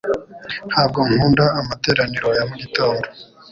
Ntabwo nkunda amateraniro ya mugitondo